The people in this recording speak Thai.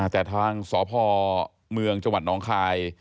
แต่ทางสพเมืองจังหวัดน้องคาย